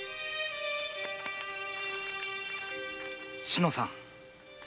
志乃さん。